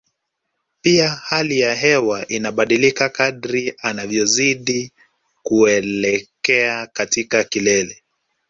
Pia hali ya hewa inabadilika kadri anavyozidi kuelekea katika kilele